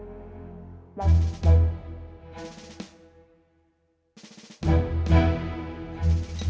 satu dan satu saja ya